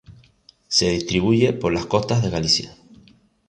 Se distribuye por las costas de Galicia.